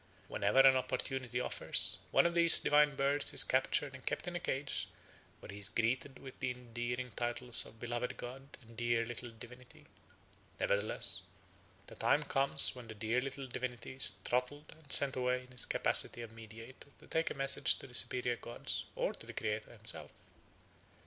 Whenever an opportunity offers, one of these divine birds is captured and kept in a cage, where he is greeted with the endearing titles of "Beloved god" and "Dear little divinity." Nevertheless the time comes when the dear little divinity is throttled and sent away in his capacity of mediator to take a message to the superior gods or to the Creator himself.